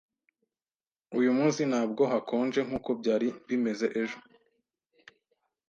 Uyu munsi ntabwo hakonje nkuko byari bimeze ejo.